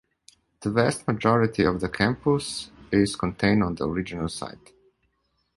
The vast majority of the campus is contained on the original site.